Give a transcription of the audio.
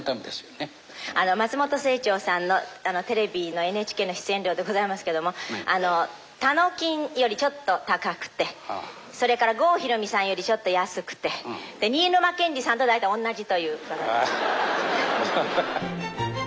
松本清張さんのテレビのＮＨＫの出演料でございますけどもたのきんよりちょっと高くてそれから郷ひろみさんよりちょっと安くてで新沼謙治さんと大体同じという。